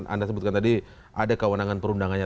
anda sebutkan tadi ada kewenangan perundangannya